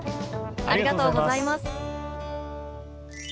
ありがとうございます。